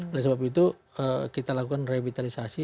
oleh sebab itu kita lakukan revitalisasi